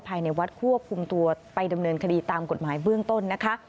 ภายในวัดควบคุมตัวไปดำเนินคดีตามกฎหมายเบื้องต้นนะคะ